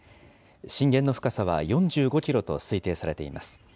震源の深さは４５キロと推定されています。